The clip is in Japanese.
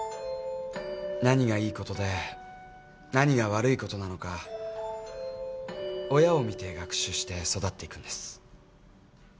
何がいいことで何が悪いことなのか親を見て学習して育っていくんです。